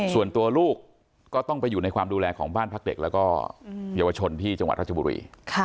ส่วนตัวลูกก็ต้องไปอยู่ในความดูแลของบ้านพักเด็กแล้วก็เยาวชนที่จังหวัดราชบุรี